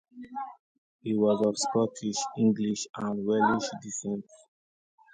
He was of Scottish, English, and Welsh descent.